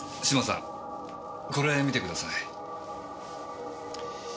島さんこれ見てください。